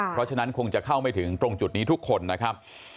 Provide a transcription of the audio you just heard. เพราะฉะนั้นคงจะเข้าไม่ถึงตรงจุดนี้ทุกคนนะครับ